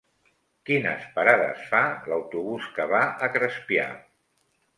Quines parades fa l'autobús que va a Crespià?